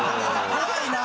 ・怖いなぁ・